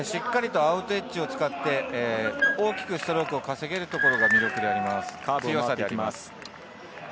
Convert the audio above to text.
しっかりアウトエッジを使って大きくストロークを稼げるところが魅力です。